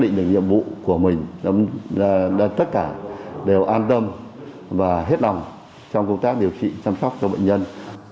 trọng vụ của mình tất cả đều an tâm và hết lòng trong công tác điều trị chăm sóc cho bệnh nhân